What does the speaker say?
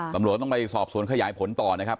ตำรวจต้องไปสอบสวนขยายผลต่อนะครับ